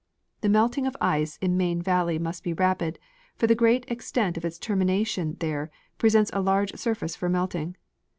The melting of ice in Main valley must be rapid, for the great extent of its termination there pre sents a large surface for melting.